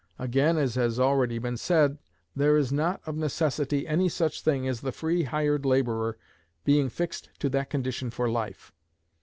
Again, as has already been said, there is not, of necessity, any such thing as the free hired laborer being fixed to that condition for life.